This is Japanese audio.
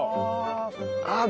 ああ！